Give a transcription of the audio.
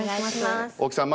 大木さん